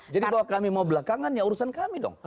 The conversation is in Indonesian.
jadi kalau kami mau belakangan ya urusan kami dong